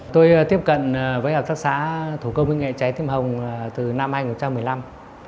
tôi tiếp cận với hợp tác xã thủ công với nghệ trái tim hồng từ năm hai nghìn một mươi năm